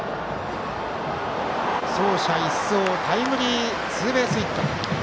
走者一掃タイムリーツーベースヒット。